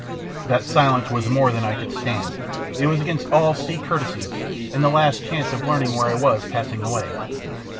That silence was more than I could stand. It was against all sea courtesies, and the last chance of learning where I was passing away.